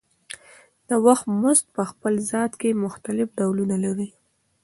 د وخت مزد په خپل ذات کې مختلف ډولونه لري